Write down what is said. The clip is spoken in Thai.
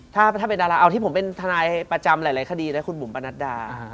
ถ้าเป็นดาราเอาที่ผมเป็นทนายประจำหลายคดีนะคุณบุ๋มปนัดดา